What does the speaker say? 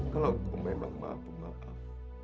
kalau kau memang maaf pemaaf